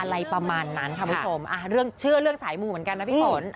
อะไรประมาณนั้นค่ะคุณผู้ชมเรื่องเชื่อเรื่องสายมูเหมือนกันนะพี่ฝน